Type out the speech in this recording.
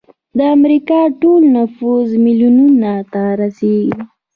د امریکا ټول نفوس میلیونونو ته رسیږي.